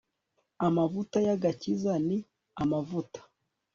amavuta y'agakiza, ni amavuta